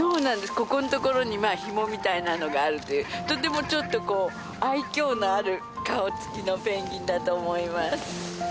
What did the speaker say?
ここん所にヒモみたいなのがあるというとてもちょっとこう愛きょうのある顔つきのペンギンだと思います